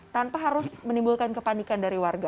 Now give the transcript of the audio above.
tanpa harus menimbulkan kepanikan dari warga